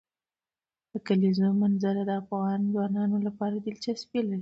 د کلیزو منظره د افغان ځوانانو لپاره دلچسپي لري.